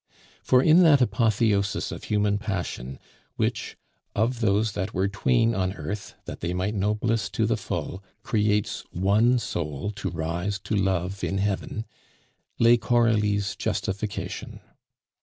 For in that apotheosis of human passion, which of those that were twain on earth that they might know bliss to the full creates one soul to rise to love in heaven, lay Coralie's justification.